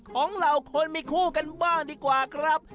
ของเราคนมีคู่กันบ้างดีกว่ากันครับ